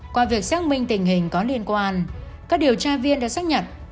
qua việc xác minh tình hình có liên quan các điều tra viên đã xác nhận